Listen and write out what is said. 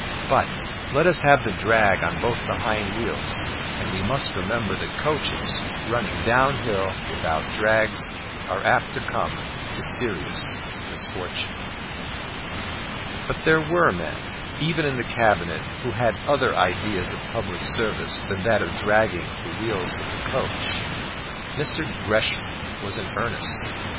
But let us have the drag on both the hind wheels. And we must remember that coaches running down hill without drags are apt to come to serious misfortune. But there were men, even in the Cabinet, who had other ideas of public service than that of dragging the wheels of the coach. Mr. Gresham was in earnest.